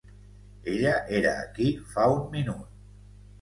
Ella era aquí fa un minut.